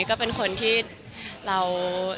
ก็เป็นคนที่เรา